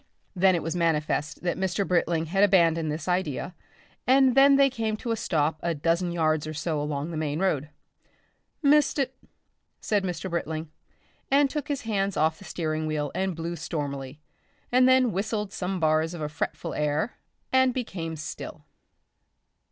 Then it was manifest that Mr. Britling had abandoned this idea, and then they came to a stop a dozen yards or so along the main road. "Missed it," said Mr. Britling, and took his hands off the steering wheel and blew stormily, and then whistled some bars of a fretful air, and became still.